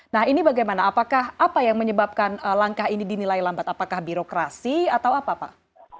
nah ini bagaimana apakah apa yang menyebabkan langkah ini dinilai lambat apakah birokrasi atau apa pak